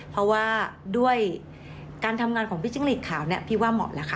เพราะว่าด้วยการทำงานของพี่จิ้งหลีกขาวเนี่ยพี่ว่าเหมาะแล้วค่ะ